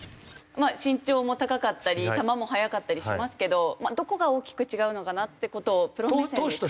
まあ身長も高かったり球も速かったりしますけどどこが大きく違うのかなって事をプロ目線で。